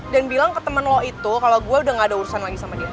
dan bilang ke temen lo itu kalau gue udah gak ada urusan lagi sama dia